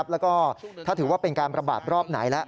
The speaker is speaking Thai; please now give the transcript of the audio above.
แล้วก็ถ้าถือว่าเป็นการประบาดรอบไหนแล้ว